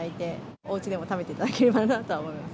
おうちでも食べていただければなと思います。